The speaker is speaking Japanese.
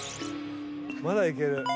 まだいける。